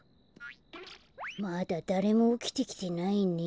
まだだれもおきてきてないね。